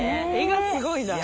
「画がすごいな」